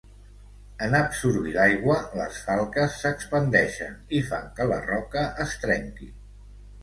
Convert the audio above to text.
En absorbir l'aigua, les falques s'expandeixen i fan que la roca es trenqui.